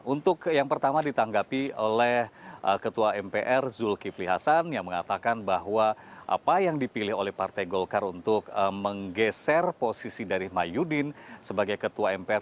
untuk yang pertama ditanggapi oleh ketua mpr zulkifli hasan yang mengatakan bahwa apa yang dipilih oleh partai golkar untuk menggeser posisi dari mahyudin sebagai ketua mpr